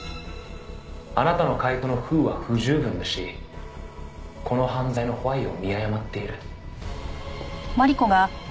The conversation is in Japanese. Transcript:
「あなたの解答のＷＨＯは不十分だしこの犯罪のＷＨＹを見誤っている」